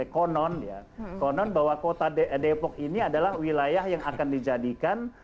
konon ya konon bahwa kota depok ini adalah wilayah yang akan dijadikan